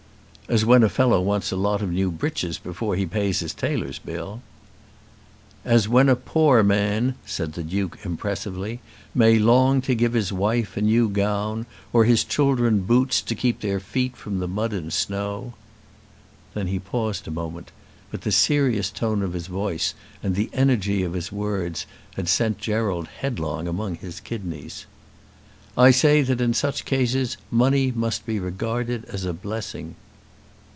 "As when a fellow wants a lot of new breeches before he has paid his tailor's bill." "As when a poor man," said the Duke impressively, "may long to give his wife a new gown, or his children boots to keep their feet from the mud and snow." Then he paused a moment, but the serious tone of his voice and the energy of his words had sent Gerald headlong among his kidneys. "I say that in such cases money must be regarded as a blessing."